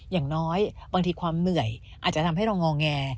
อย่างน้อยบางทีความเหนื่อยอาจจะทำให้เรางอแง